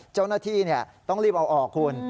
เจ้าหน้าที่ต้องรีบเอาออกคุณ